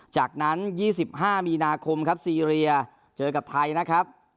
จากนั้น๒๕มีนาคมครับซีเรียเจอกับไทยนะครับ